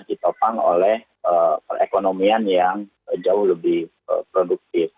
ditopang oleh perekonomian yang jauh lebih produktif